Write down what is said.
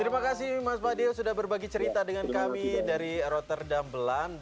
terima kasih mas fadil sudah berbagi cerita dengan kami dari rotterdam belan